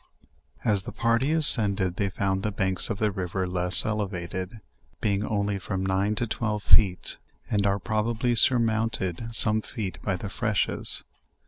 As the party ascended they found the banks of the river less elevated, being only from nine to twelve feet, and are probably surmounted some feet by the freshes.